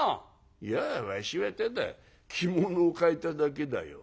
「いやわしはただ着物を替えただけだよ。